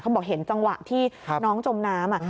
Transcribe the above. บอกเห็นจังหวะที่น้องจมน้ำ